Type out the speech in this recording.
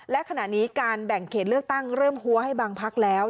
และขณะนี้การแบ่งเขตเลือกตั้งเริ่มหัวให้บางพักแล้ว